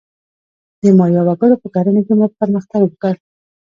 د مایا وګړو په کرنه کې پرمختګ وکړ.